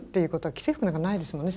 既製服なんかないですもんね